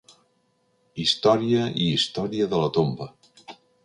Història i història de la tomba.